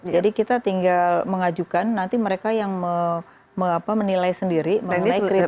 jadi kita tinggal mengajukan nanti mereka yang menilai sendiri mengenai kriteria orang